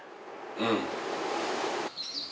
うん。